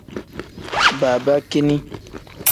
Babakini.